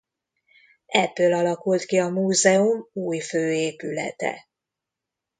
Ebből alakult ki a múzeum új főépülete.